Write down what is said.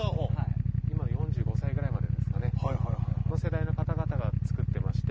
今の４５歳ぐらいまでですかね。の世代の方々が作ってまして。